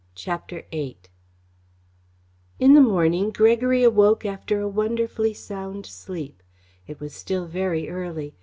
CHAPTER VIII In the morning Gregory awoke after a wonderfully sound sleep. It was still very early.